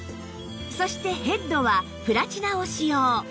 そしてヘッドはプラチナを使用